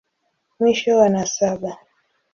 Mwisho wa nasaba.